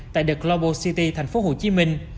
tại the global city thành phố hồ chí minh